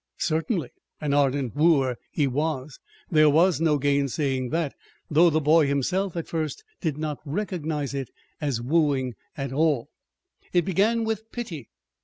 Certainly an ardent wooer he was. There was no gainsaying that though the boy himself, at first, did not recognize it as wooing at all. It began with pity.